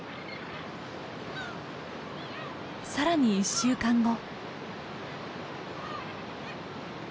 さらに１週間後。